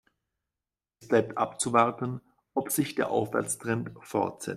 Es bleibt abzuwarten, ob sich der Aufwärtstrend fortsetzt.